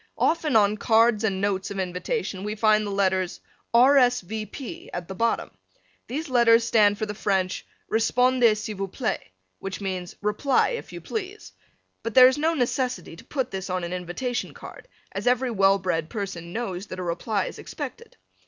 Often on cards and notes of invitation we find the letters R. S. V. P. at the bottom. These letters stand for the French repondez s'il vous plait, which means "Reply, if you please," but there is no necessity to put this on an invitation card as every well bred person knows that a reply is expected.